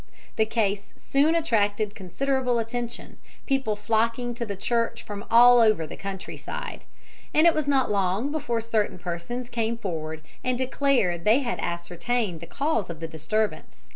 The case soon attracted considerable attention, people flocking to the church from all over the country side, and it was not long before certain persons came forward and declared they had ascertained the cause of the disturbance.